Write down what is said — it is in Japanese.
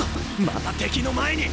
また敵の前に！